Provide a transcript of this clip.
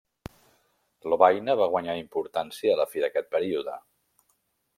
Lovaina va guanyar importància a la fi d'aquest període.